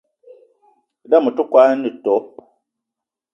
E'dam ote kwolo ene too